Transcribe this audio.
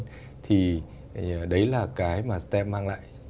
đó chính là cái mà stem mang lại